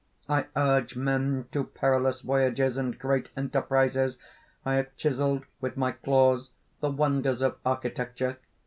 "I urge men to perilous voyages and great enterprises. I have chiselled with my claws the wonders of architecture.